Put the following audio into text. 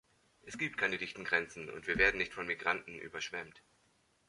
Es gibt keine dichten Grenzen, und wir werden nicht von Migranten überschwemmt!